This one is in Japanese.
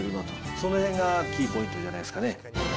そのへんがキーポイントじゃないですかね。